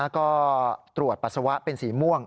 ก็ตรวจปัสสาวะเป็นสีม่วง